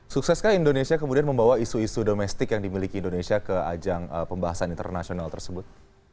sukseskah indonesia kemudian membawa isu isu domestik yang dimiliki indonesia ke ajang pembahasan internasional tersebut